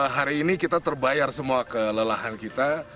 hari ini kita terbayar semua kelelahan kita